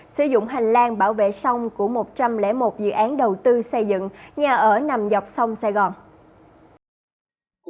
sử dụng hành lang bảo vệ sông của một trăm linh một dự án đầu tư xây dựng nhà ở nằm dọc sông sài gòn